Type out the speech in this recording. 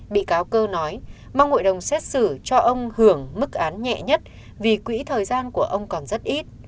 bị cáo cơ nói mong hội đồng xét xử cho ông hưởng mức án nhẹ nhất vì quỹ thời gian của ông còn rất ít